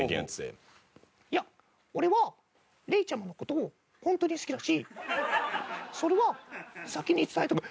いや俺はレイちゃまの事をホントに好きだしそれは先に伝えとく。